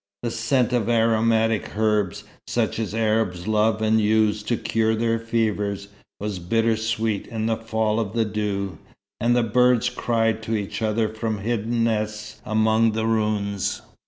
The scent of aromatic herbs, such as Arabs love and use to cure their fevers, was bitter sweet in the fall of the dew, and birds cried to each other from hidden nests among the ruins.